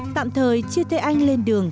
tạm thời chia tay anh lên đường